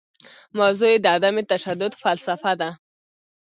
موضوع یې د عدم تشدد فلسفه ده.